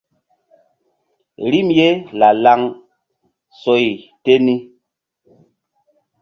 Rim ye la-laŋ soy te ni.